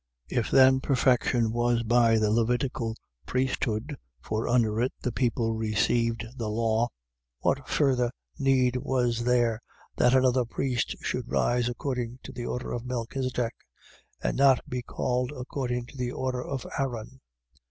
7:11. If then perfection was by the Levitical priesthood (for under it the people received the law), what further need was there that another priest should rise according to the order of Melchisedech: and not be called according to the order of Aaron?